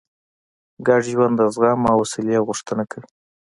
ګډ ژوند د زغم او حوصلې غوښتنه کوي.